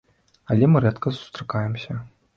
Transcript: Але мы рэдка сустракаемся.